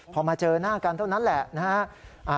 พอมาเจอหน้ากันเท่านั้นแหละนะฮะ